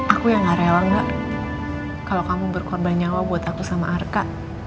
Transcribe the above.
aku yang gak rela gak kalau kamu berkorban nyawa buat aku sama arka